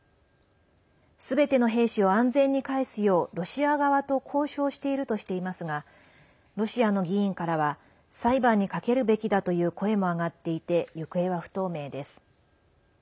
すべての兵士を安全にかえすようロシア側と交渉しているとしていますがロシアの議員からは裁判にかけるべきだという声も上がっていて行方は不透明です。